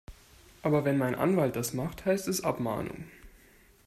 Aber wenn mein Anwalt das macht, heißt es Abmahnung.